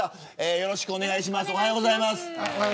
よろしくお願いします。